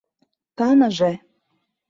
Каныже.